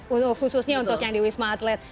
khususnya untuk yang di wisma atlet